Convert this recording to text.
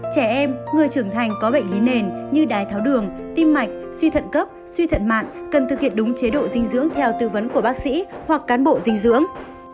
trẻ em người trưởng thành có bệnh lý nền như đái tháo đường tim mạch suy thận cấp suy thận mạn cần thực hiện đúng chế độ dinh dưỡng theo tư vấn của bác sĩ hoặc cán bộ dinh dưỡng